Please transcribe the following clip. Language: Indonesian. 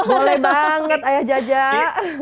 boleh banget ayah jajah